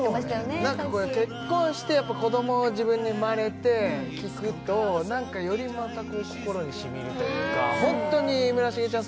そうね何かこれ結婚してやっぱ子供自分に生まれて聴くと何かよりまたこう心にしみるというかホントに村重ちゃん